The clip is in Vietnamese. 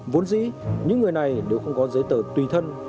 vốn dĩ những người này đều không có giấy tờ tùy thân